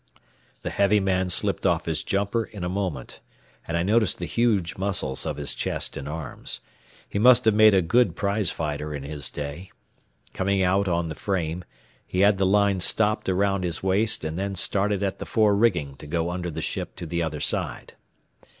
The heavy man slipped off his jumper in a moment, and I noticed the huge muscles of his chest and arms. He must have made a good prize fighter in his day. Coming out on the frame, he had the line stopped around his waist and then started at the fore rigging to go under the ship to the other side.